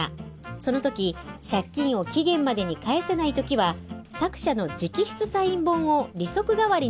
その時借金を期限までに返せない時は作者の直筆サイン本を利息代わりに渡す約束をしました。